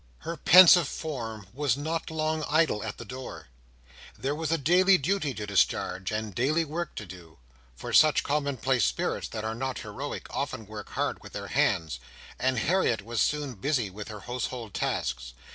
Her pensive form was not long idle at the door. There was daily duty to discharge, and daily work to do—for such commonplace spirits that are not heroic, often work hard with their hands—and Harriet was soon busy with her household tasks.